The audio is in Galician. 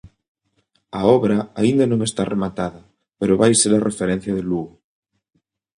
A obra aínda non está rematada, pero vai ser a referencia de Lugo.